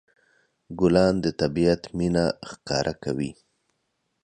ګلان د طبيعت مینه ښکاره کوي.